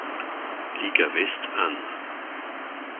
Liga West an.